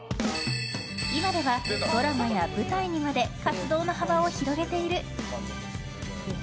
今ではドラマや舞台にまで活動の幅を広げている。